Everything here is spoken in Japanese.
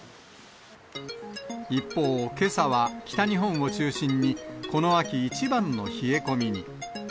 一方、けさは北日本を中心に、この秋一番の冷え込みに。